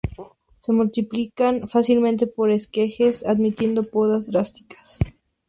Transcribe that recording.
Se multiplican fácilmente por esquejes, admitiendo podas drásticas.